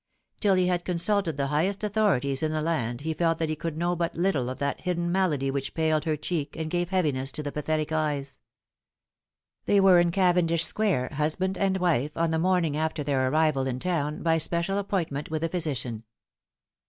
Till he had consulted the highest authorities in the laud he felt that he could know but little of that hidden Marked by Fat&, 343 malady which paled her cheek and gave heaviness to the pathetic eyes. They were in Cavendish Square, husband and wife, on the morning after their arrival in town, by special appointment with the physician.